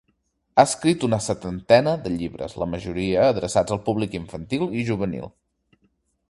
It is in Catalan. Ha escrit una setantena de llibres, la majoria adreçats al públic infantil i juvenil.